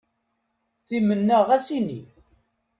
Timenna ɣas ini.